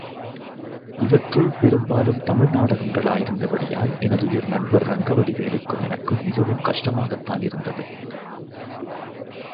இவற்றுள் பெரும்பாலும் தமிழ் நாடகங்களாயிருந்தபடியால், எனதுயிர் நண்பர் ரங்கவடிவேலுக்கும், எனக்கும் மிகவும் கஷ்டமாகத்தானிருந்தது.